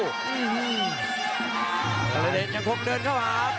ขาเลดยังพบเดินเข้าหา